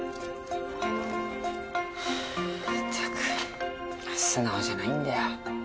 まったく素直じゃないんだよ。